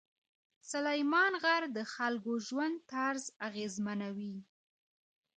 سلیمان غر د خلکو ژوند طرز اغېزمنوي.